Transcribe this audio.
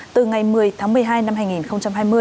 từ ngày một mươi tháng một mươi hai năm hai nghìn hai mươi